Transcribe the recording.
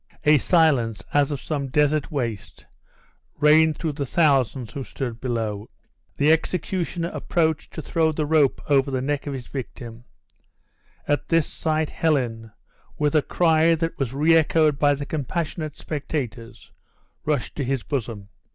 A silence, as of some desert waste, reigned throughout the thousands who stood below. The executioner approached to throw the rope over the neck of his victim. At this sight, Helen, with a cry that was re echoed by the compassionate spectators, rushed to his bosom.